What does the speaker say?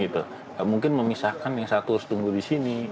mungkin memisahkan yang satu harus tunggu di sini